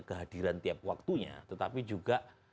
kehadiran tiap waktunya tetapi juga